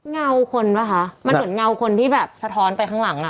เงาคนป่ะคะมันเหมือนเงาคนที่แบบสะท้อนไปข้างหลังอ่ะ